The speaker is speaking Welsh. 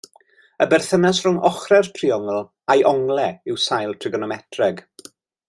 Y berthynas rhwng ochrau'r triongl a'i onglau yw sail trigonometreg.